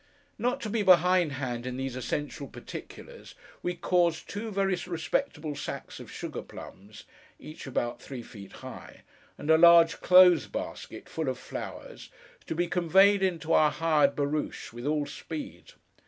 Not to be behindhand in these essential particulars, we caused two very respectable sacks of sugar plums (each about three feet high) and a large clothes basket full of flowers to be conveyed into our hired barouche, with all speed.